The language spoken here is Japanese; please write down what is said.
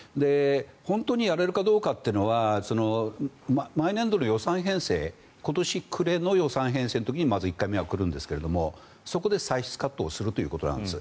本当にやれるかどうかは毎年度の予算編成今年暮れの予算編成の時にまず１回目が来るんですがそこで歳出カットをするということなんです。